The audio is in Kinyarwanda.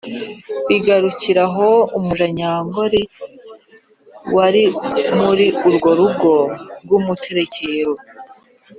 bigarukira aho, umuja nyangore wari muri urwo rugo rw'umuterekero